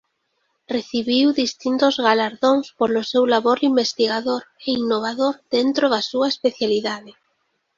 Recibiu distintos galardóns polo seu labor investigador e innovador dentro da súa especialidade.